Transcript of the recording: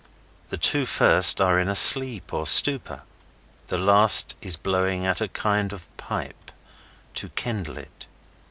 The two first are in a sleep or stupor; the last is blowing at a kind of pipe, to kindle it.